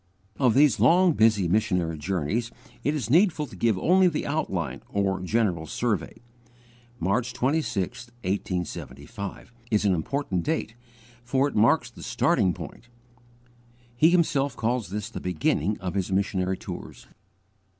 Of these long and busy missionary journeys, it is needful to give only the outline, or general survey. March 263 1875, is an important date, for it marks the starting point. He himself calls this "the beginning of his missionary tours."